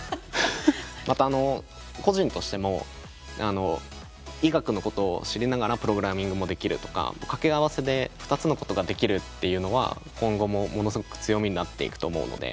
またあの個人としても医学のことを知りながらプログラミングもできるとか掛け合わせで２つのことができるっていうのは今後もものすごく強みになっていくと思うので。